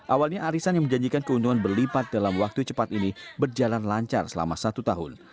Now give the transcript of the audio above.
awalnya arisan yang menjanjikan keuntungan berlipat dalam waktu cepat ini berjalan lancar selama satu tahun